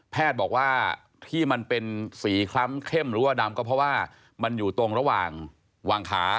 บอกว่าที่มันเป็นสีคล้ำเข้มหรือว่าดำก็เพราะว่ามันอยู่ตรงระหว่างวางขา